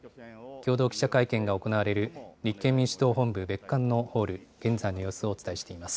共同記者会見が行われる立憲民主党本部別館のホール、現在の様子をお伝えしています。